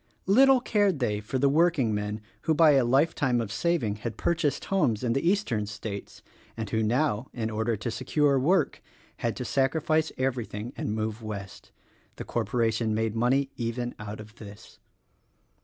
Little cared they for the workingmen who by a life time of saving had purchased homes in the eastern states, and who now, in order to secure work had to sacrifice everything and move West. The corporation made money even out of this.